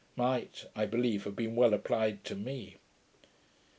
might, I believe, have been well applied to me.